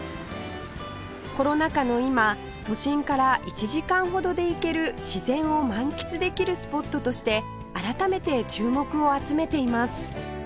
コロナ禍の今都心から１時間ほどで行ける自然を満喫できるスポットとして改めて注目を集めています